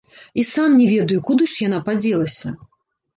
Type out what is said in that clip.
І сам не ведаю, куды ж яна падзелася.